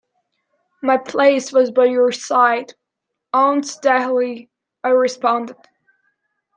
"My place was by your side, Aunt Dahlia," I responded.